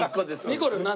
にこるんな